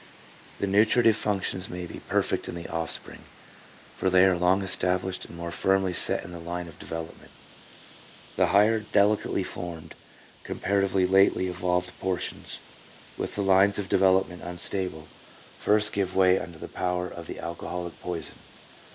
The nutritive functions may be perfect in the offspring, for they are long established and more firmly set in the line of development; the higher, delicately formed, comparatively lately evolved portions, with the lines of development unstable, first give way under the power of the alcoholic poison.